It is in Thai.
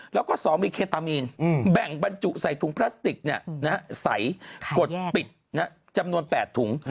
แล้วก็๒มีเคตามีนแบ่งบรรจุใส่ถุงพลาสติกใส่กดปิดจำนวน๘ถุง